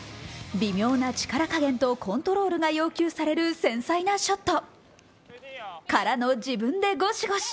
微妙な力加減とコントロールが要求される繊細なショット、からの自分でゴシゴシ！